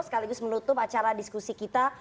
sekaligus menutup acara diskusi kita